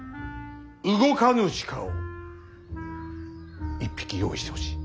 動かぬ鹿を１匹用意してほしい。